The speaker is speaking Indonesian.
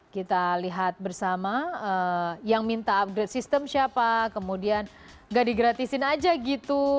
kita lihat bersama yang minta upgrade sistem siapa kemudian gak digratisin aja gitu